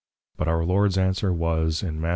_ But our Lords Answer was, in _Mat.